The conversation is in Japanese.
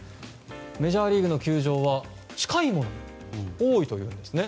メジャーリーグの球場は近いものが多いそうです。